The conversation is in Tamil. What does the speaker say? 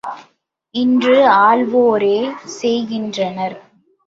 இன்று ஆள்வோரே செய்கின்றனர்!